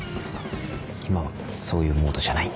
今はそういうモードじゃないんで。